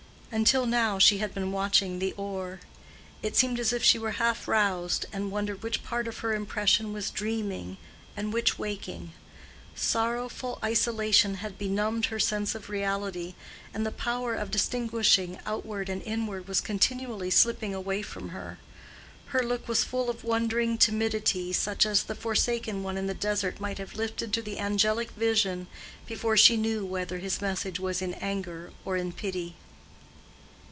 Until now she had been watching the oar. It seemed as if she were half roused, and wondered which part of her impression was dreaming and which waking. Sorrowful isolation had benumbed her sense of reality, and the power of distinguishing outward and inward was continually slipping away from her. Her look was full of wondering timidity such as the forsaken one in the desert might have lifted to the angelic vision before she knew whether his message was in anger or in pity.